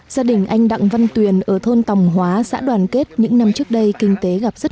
gia đình anh đặng văn tuyền ở thôn tòng hóa xã đoàn kết những năm trước đây kinh tế gặp rất